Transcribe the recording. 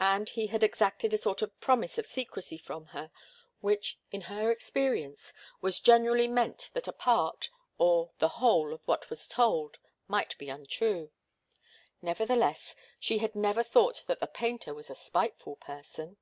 And he had exacted a sort of promise of secrecy from her, which, in her experience, very generally meant that a part, or the whole of what was told, might be untrue. Nevertheless, she had never thought that the painter was a spiteful person.